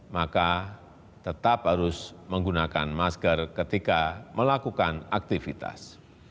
maka tetap harus menggunakan masker ketika melakukan aktivitas